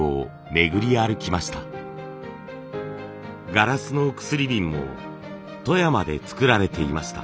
ガラスの薬瓶も富山で作られていました。